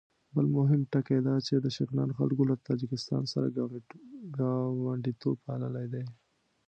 بل مهم ټکی دا چې د شغنان خلکو له تاجکستان سره ګاونډیتوب پاللی دی.